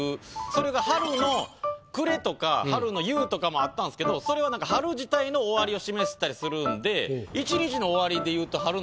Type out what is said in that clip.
それが「春の暮」とか「春の夕」とかもあったんすけどそれはなんか春自体の終わりを示したりするんでなるほどね。